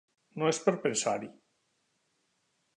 No és per pensar-hi.